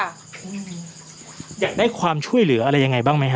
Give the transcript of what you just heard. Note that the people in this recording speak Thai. อยากได้ความช่วยเหลืออะไรยังไงบ้างไหมฮ